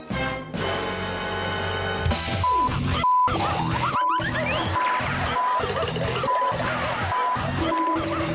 จิ๊บ